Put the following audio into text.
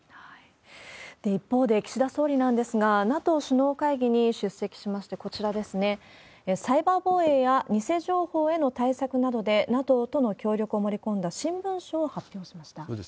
一方で、岸田総理なんですが、ＮＡＴＯ首脳会議に出席しまして、こちらですね、サイバー防衛や偽情報への対策などで、ＮＡＴＯとの協力を盛り込んだ新文書を発表しました。